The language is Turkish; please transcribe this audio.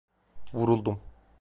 Vuruldum.